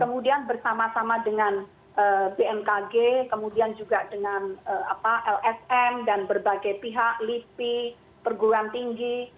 kemudian bersama sama dengan bmkg kemudian juga dengan lsm dan berbagai pihak lipi perguruan tinggi